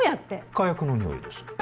火薬のにおいです